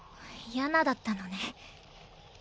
ヤナだったのね。